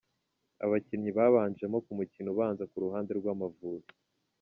Abakinnyi babanjemo ku mukino ubanza ku ruhande rw' Amavubi.